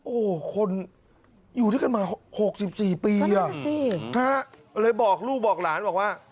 โอ้โหคนอยู่ด้วยกันมา๖๔ปีเลยบอกลูกบอกหลานบอกว่า